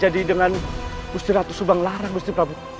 baik syeikh mari